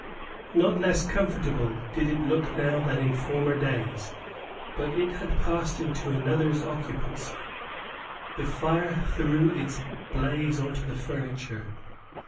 Not less comfortable did it look now than in former days, but it had passed into another's occupancy. The fire threw its blaze on the furniture.